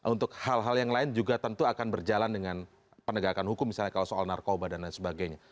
untuk hal hal yang lain juga tentu akan berjalan dengan penegakan hukum misalnya kalau soal narkoba dan lain sebagainya